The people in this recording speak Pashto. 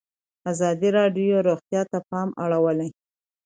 ازادي راډیو د روغتیا ته پام اړولی.